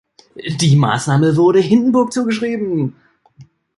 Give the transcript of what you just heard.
Die Maßnahme wurde Hindenburg zugeschrieben.